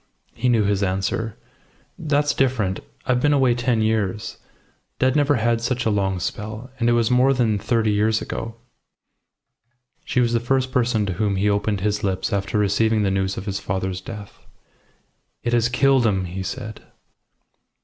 He knew his answer. "That's different. I've been away ten years. Dad never had such a long spell; and it was more than thirty years ago." She was the first person to whom he opened his lips after receiving the news of his father's death. "It has killed him!" he said.